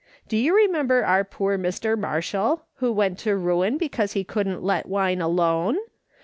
Do you remember our poor Mr. Marshall who went to ruin because he couldn't let wine alone